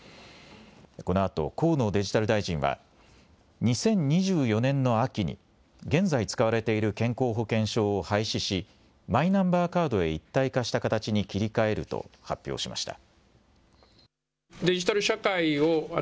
このあと、河野デジタル大臣は、２０２４年の秋に現在使われている健康保険証を廃止し、マイナンバーカードへ一体化した形に切り替えると発表しました。